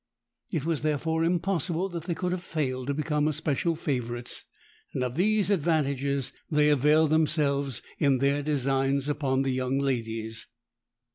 It was therefore impossible that they could have failed to become especial favourites; and of these advantages they availed themselves in their designs upon the young ladies.